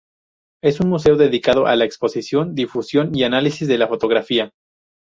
Es un museo dedicado a la exposición, difusión, y análisis de la fotografía.